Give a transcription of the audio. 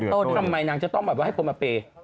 ทำไมนางจะต้องให้คนมาเปย์